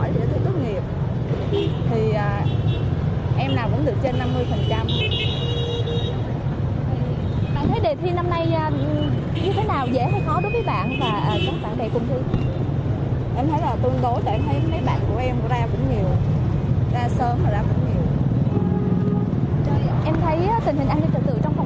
dạ thì đề thi năm nay em cũng thấy nó tương đối không khó không dễ